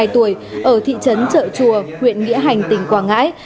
ba mươi hai tuổi ở thị trấn trợ chùa huyện nghĩa hành tỉnh quảng ngãi